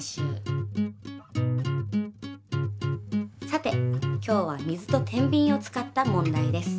さて今日は水とてんびんを使った問題です。